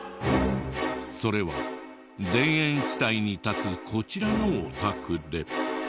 それは田園地帯に立つこちらのお宅で。